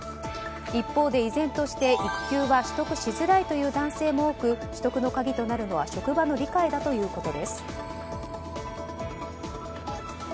一方で依然として育休は取得しづらいという男性も多く取得の鍵となるのは職場の理解だということです。